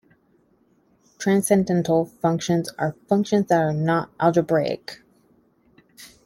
Transcendental functions are functions that are not algebraic.